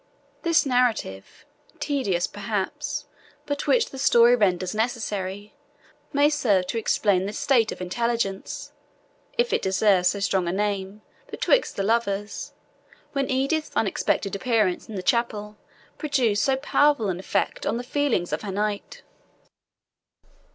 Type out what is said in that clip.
This narrative, tedious perhaps, but which the story renders necessary, may serve to explain the state of intelligence, if it deserves so strong a name, betwixt the lovers, when Edith's unexpected appearance in the chapel produced so powerful an effect on the feelings of her knight.